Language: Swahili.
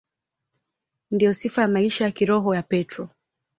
Ndiyo sifa ya maisha ya kiroho ya Petro.